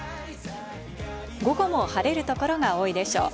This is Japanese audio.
午後も晴れる所が多いでしょう。